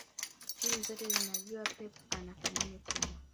timu zote zinajua pep ana thamani kubwa